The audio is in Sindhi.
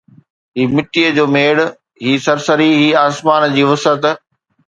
هي مٽيءَ جو ميڙ، هي سرسري، هي آسمان جي وسعت